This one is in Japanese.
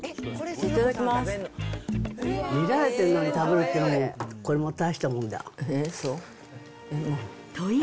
見られてるのに食べるというのも、これも大したもんだ。え？